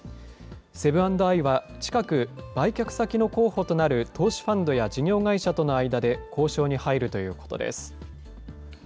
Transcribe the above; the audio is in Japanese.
セブン＆アイは、近く、売却先の候補となる投資ファンドや事業会社との間で、交渉に入るということです。